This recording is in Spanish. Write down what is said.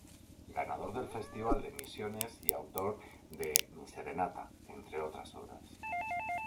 Ganador del festival de Misiones y autor de "Mi serenata" entre otras obras.